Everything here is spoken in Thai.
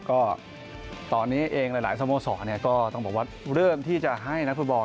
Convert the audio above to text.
ก็ตอนนี้เองหลายสโมสรก็ต้องบอกว่าเริ่มที่จะให้นักฟุตบอล